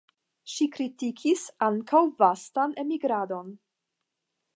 Ŝi kritikis ankaŭ vastan emigradon.